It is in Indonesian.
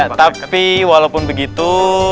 ya tapi walaupun begitu